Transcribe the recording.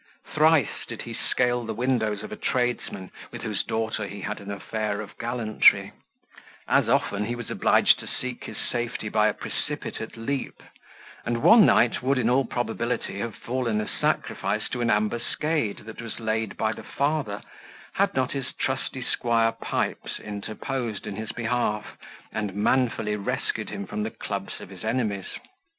Thrice did he scale the windows of a tradesman, with whose daughter he had an affair of gallantry; as often was he obliged to seek his safety by a precipitate leap; and one night would, in all probability, have fallen a sacrifice to an ambuscade that was laid by the father, had not his trusty squire Pipes interposed in his behalf, and manfully rescued him from the clubs of his enemies.